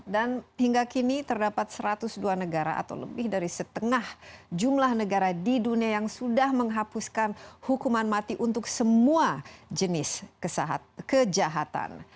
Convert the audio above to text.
dan hingga kini terdapat satu ratus dua negara atau lebih dari setengah jumlah negara di dunia yang sudah menghapuskan hukuman mati untuk semua jenis kejahatan